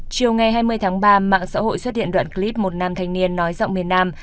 chiều ngày hai mươi tháng ba mạng xã hội xuất hiện đoạn clip một nam thanh niên nói giọng miền nam